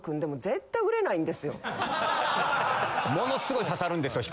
ものすごい刺さるんですよ